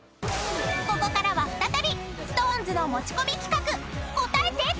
［ここからは再びＳｉｘＴＯＮＥＳの持ち込み企画］